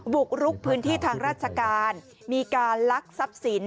บุกรุกพื้นที่ทางราชการมีการลักทรัพย์สิน